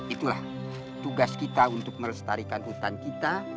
itulah tugas kita untuk melestarikan hutan kita